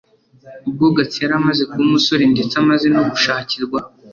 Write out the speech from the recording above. Ubwo Gatsi yari amaze kuba umusore, ndetse amaze no gushakirwa.